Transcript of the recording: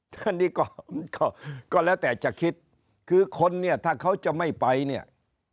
ท่านนี้ก็ก็แล้วแต่จะคิดคือคนเนี่ยถ้าเขาจะไม่ไปเนี่ย